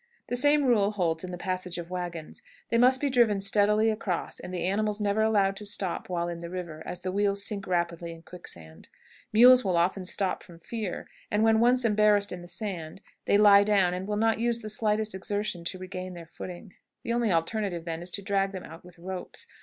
The same rule holds in the passage of wagons: they must be driven steadily across, and the animals never allowed to stop while in the river, as the wheels sink rapidly in quicksand. Mules will often stop from fear, and, when once embarrassed in the sand, they lie down, and will not use the slightest exertion to regain their footing. The only alternative, then, is to drag them out with ropes.